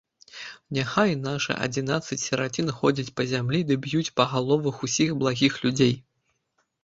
Няхай нашы адзінаццаць сірацін ходзяць па зямлі ды б'юць па галовах усіх благіх людзей!